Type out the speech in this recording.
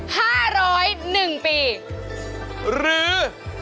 หรือ๓